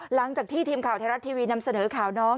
หลังจากที่ทีมข่าวไทยรัฐทีวีนำเสนอข่าวน้อง